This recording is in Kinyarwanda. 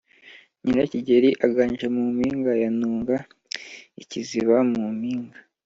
nyirakigeri aganje mu mpinga ya ntunga-ikiziba mu mpinga.